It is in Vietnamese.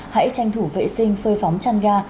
hãy tranh thủ vệ sinh phơi phóng chăn ga